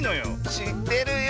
しってるよ！